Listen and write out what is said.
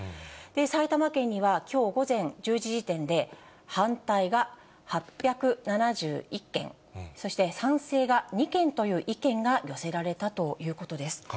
埼玉県にはきょう午前１０時時点で反対が８７１件、そして賛成が２件という意見が寄せられたということです。